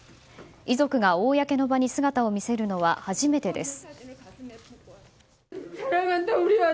遺族が公の場に姿を見せるのは初めてです。